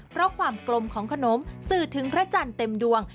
เพราะความกลมของขนมสื่อถึงพระจันทร์เต็มดวง